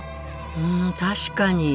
うん確かに。